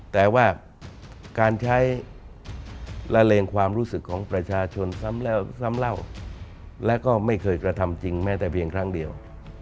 แต่ว่าการใช้ละเลงความรู้สึกของประชาชนซ้ำแล้วซ้ำเล่าและก็ไม่เคยกระทำจริงแม้แต่เพียงครั้งเดียว